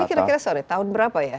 ini kira kira sorry tahun berapa ya